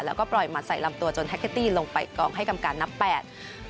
แล้วก็ปล่อยหมัดใส่ลำตัวจนแฮคเกตตี้ลงไปกองให้กรรมการนับแปด